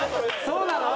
そうなの？